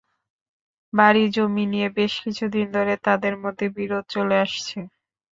বাড়ির জমি নিয়ে বেশ কিছুদিন ধরে তাঁদের মধ্যে বিরোধ চলে আসছে।